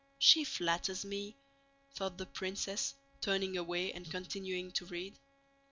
"She flatters me," thought the princess, turning away and continuing to read.